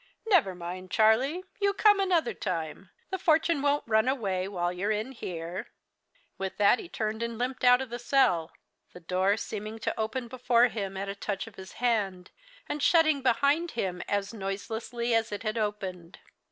"'Never mind, Charlie, you come another time. The fortune won't run away while you're in here.' "With that, he turned and limped out of the cell; the door seeming to open before him at a touch of his hand, and shutting behind him as noiselessly as it had opened.